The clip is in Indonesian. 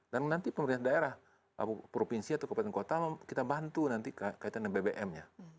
dan nanti pemerintah daerah provinsi atau kabupaten kota mau kita bantu nanti kaitannya bbm nya